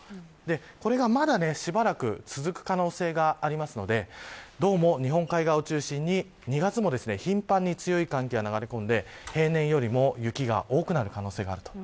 これがまだしばらく続く可能性があるので日本海側を中心に２月も頻繁に強い寒気が流れ込んで平年よりも雪が多くなる可能性があります。